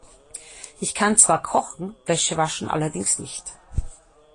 Ich kann zwar kochen, Wäsche waschen allerdings nicht.